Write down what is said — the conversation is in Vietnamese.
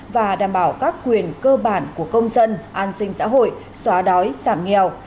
và đảm bảo các quyền cơ bản của công dân an sinh xã hội xóa đói giảm nghèo